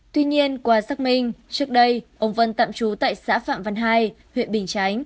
tuy nhiên qua xác minh trước đây ông vân tạm trú tại xã phạm văn hai huyện bình chánh